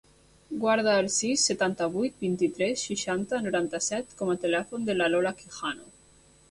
Guarda el sis, setanta-vuit, vint-i-tres, seixanta, noranta-set com a telèfon de la Lola Quijano.